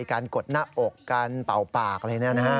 กดหน้าอกการเป่าปากอะไรนะฮะ